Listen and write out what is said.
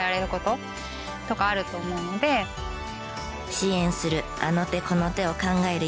支援するあの手この手を考える今関さん。